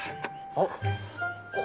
あっ。